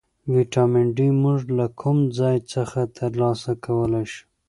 ویټامین ډي موږ له کوم ځای څخه ترلاسه کولی شو